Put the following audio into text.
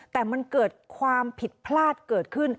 แต่มันเกิดความผิดพลาดเกิดขึ้น